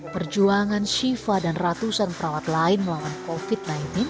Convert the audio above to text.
perjuangan shiva dan ratusan perawat lain melawan covid sembilan belas